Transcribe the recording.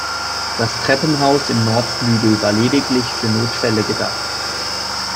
Das Treppenhaus im Nordflügel war lediglich für Notfälle gedacht.